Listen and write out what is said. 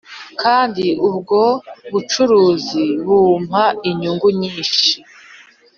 kandi ubwo bucuruzi bumpa inyungu nyinshi